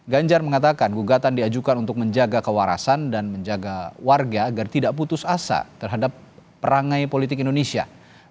ganjar mengatakan gugatan diajukan untuk menjaga kewarasan dan menjaga warga agar tidak putus asa terhadap perangai politik indonesia